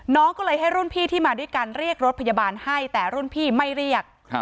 น้องก็เลยให้รุ่นพี่ที่มาด้วยกันเรียกรถพยาบาลให้แต่รุ่นพี่ไม่เรียก